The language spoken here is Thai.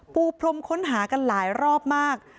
ปูพรมค้นหากันหลายรอบมาก